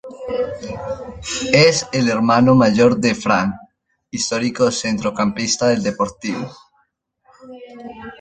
Es el hermano mayor de Fran, histórico centrocampista del Deportivo.